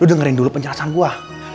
lo dengerin dulu penjelasan gue